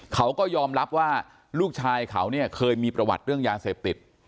เขาก็ยอมรับว่าลูกชายเขาเนี่ยเคยมีประวัติเรื่องยาเสพติด